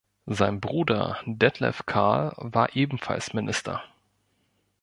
Sein Bruder Detlev Carl war ebenfalls Minister.